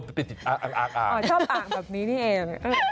ชอบอ่างแบบนี้นี่เอง